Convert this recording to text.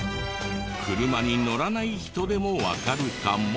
車に乗らない人でもわかるかも。